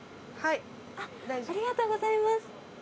ありがとうございます